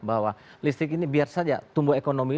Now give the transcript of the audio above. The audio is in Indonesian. bahwa listrik ini biar saja tumbuh ekonomi